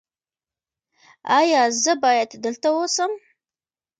ایا زه باید دلته اوسم؟